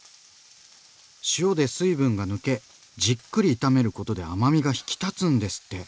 塩で水分が抜けじっくり炒めることで甘みが引き立つんですって。